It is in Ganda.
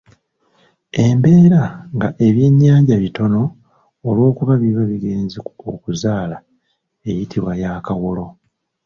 Embeera nga ebyennyanja bitono olwokuba biba bigenze okuzaala eyitibwa ya Kawolo.